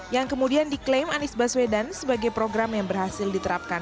yang kemudian diklaim anies baswedan sebagai program yang berhasil diterapkan